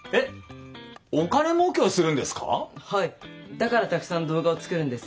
だからたくさん動画を作るんです！